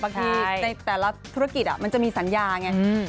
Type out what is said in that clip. ในแต่ละธุรกิจมันจะมีสัญญาไง